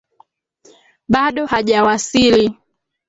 Bado hajawasili.